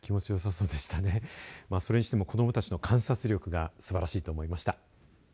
それにしても子どもたちの観察力がすばらしいと思いました。